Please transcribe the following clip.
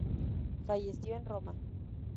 Falleció en Roma.